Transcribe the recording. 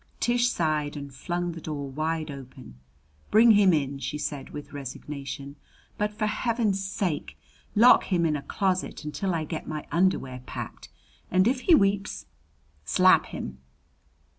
Tish sighed and flung the door wide open. "Bring him in," she said with resignation, "but for Heaven's sake lock him in a closet until I get my underwear packed. And if he weeps slap him."